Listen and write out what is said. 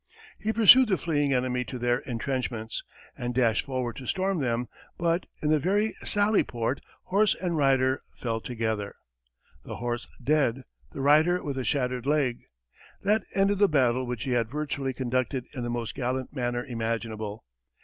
He pursued the fleeing enemy to their entrenchments, and dashed forward to storm them, but, in the very sally port, horse and rider fell together the horse dead, the rider with a shattered leg. That ended the battle which he had virtually conducted in the most gallant manner imaginable.